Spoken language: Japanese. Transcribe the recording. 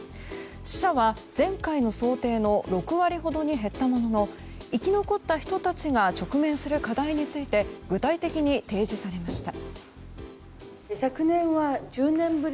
死者は前回の想定の６割ほどに減ったものの生き残った人たちが直面する課題について具体的に提示されました。